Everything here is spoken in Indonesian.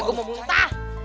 gue mau muntah